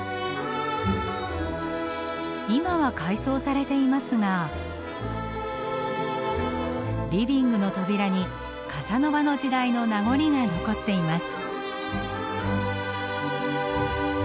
今は改装されていますがリビングの扉にカサノバの時代の名残が残っています。